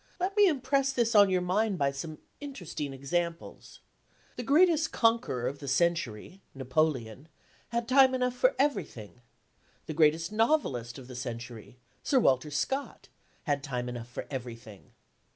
Let me impress this on your mind by some interesting examples. The greatest conqueror of the century Napoleon had time enough for everything. The greatest novelist of the century Sir Walter Scott had time enough for everything.